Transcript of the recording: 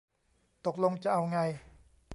ตกลงจะเอาไง